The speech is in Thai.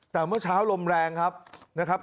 แต่เมื่อเช้าลมแรงครับ